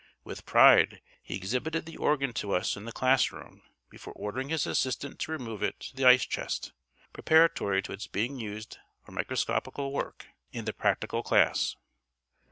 With pride he exhibited the organ to us in the class room before ordering his assistant to remove it to the ice chest, preparatory to its being used for microscopical work in the practical class.